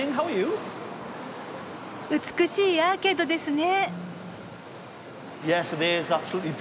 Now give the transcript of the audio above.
美しいアーケードですね。